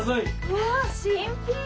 うわ新品？